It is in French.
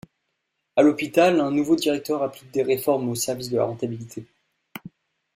À l'hôpital, un nouveau directeur applique des réformes au service de la rentabilité.